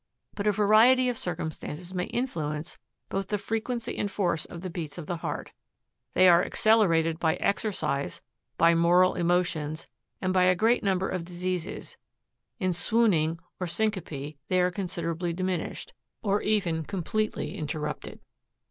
But a variety of circumstances may influence both the frequency and force of the beats of the heart; they are accelerated by exercise, by moral emotions, and by a great number of dis eases ; in swooning or syncope, they are considerably diminished, or even completely interrupted.